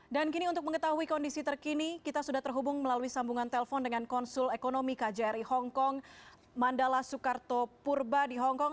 kini untuk mengetahui kondisi terkini kita sudah terhubung melalui sambungan telpon dengan konsul ekonomi kjri hongkong mandala soekarto purba di hongkong